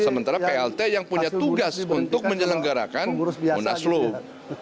sementara plt yang punya tugas untuk menyelenggarakan munaslup